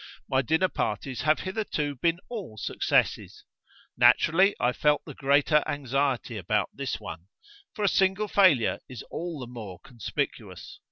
My dinner parties have hitherto been all successes. Naturally I feel the greater anxiety about this one. For a single failure is all the more conspicuous.